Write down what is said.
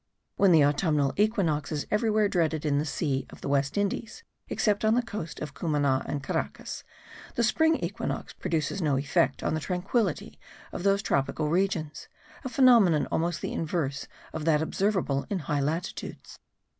While the autumnal equinox is everywhere dreaded in the sea of the West Indies (except on the coast of Cumana and Caracas), the spring equinox produces no effect on the tranquillity of those tropical regions: a phenomenon almost the inverse of that observable in high latitudes.